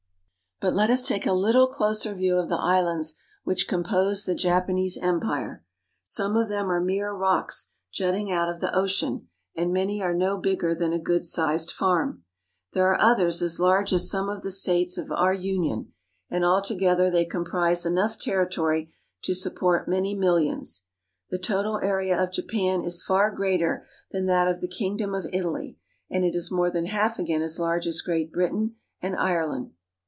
But let us take a little closer view of the islands which compose the Japanese Empire. Some of them are mere rocks jutting out of the ocean, and many are no bigger than a good sized farm. There are others as large as some of the states of our Union, and all together they com prise enough territory to support many millions. The total area of Japan is far greater than that of the Kingdom of Italy, and it is more than half again as large as Great Britain and Ireland.